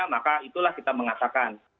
maka itulah kita mengatakan